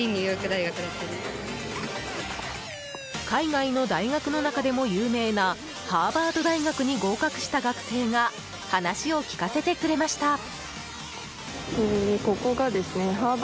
海外の大学の中でも有名なハーバード大学に合格した学生が話を聞かせてくれました。